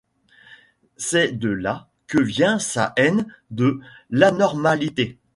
C’est de là que vient sa haine de l’anormalité.